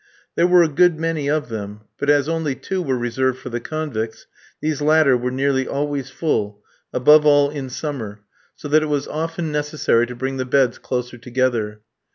There were a good many of them, but as only two were reserved for the convicts, these latter were nearly always full, above all in summer, so that it was often necessary to bring the beds closer together.